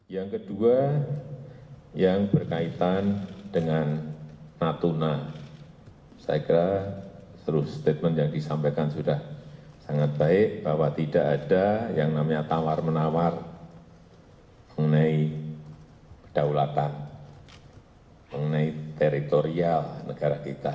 yang kedua yang berkaitan dengan natuna saya kira seluruh statement yang disampaikan sudah sangat baik bahwa tidak ada yang namanya tawar menawar mengenai kedaulatan mengenai teritorial negara kita